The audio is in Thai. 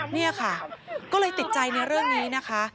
นี่ค่ะก็เลยติดใจในเรื่องนี้นะคะ